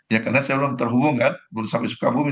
ya karena saya belum terhubung kan belum sampai sukabumi